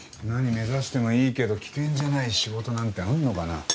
何目指してもいいけど危険じゃない仕事なんてあんのかな？